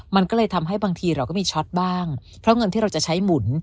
มันก็เลยทำให้บางทีเราก็มีช็อตบ้างเพราะเงินที่เราจะใช้หมุน